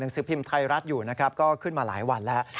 สือพิมพ์ไทยรัฐอยู่นะครับก็ขึ้นมาหลายวันแล้ว